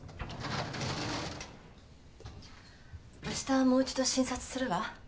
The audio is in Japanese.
あしたもう一度診察するわ。